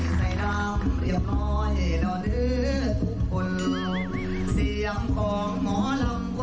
มอลำคลายเสียงมาแล้วมอลำคลายเสียงมาแล้ว